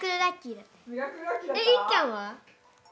いっちゃんは？